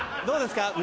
どうですか？